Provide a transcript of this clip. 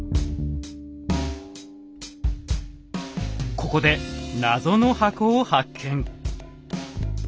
ここでナゾの箱を発見。